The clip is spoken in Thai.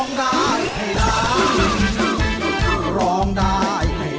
คือร้องได้ให้ร้าง